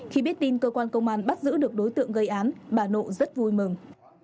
khi biết tin cơ quan công an bắt giữ được đối tượng gây án bà nộ rất vui mừng